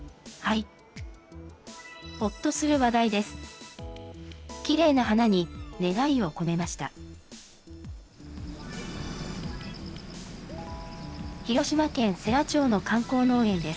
ほっとする話題です。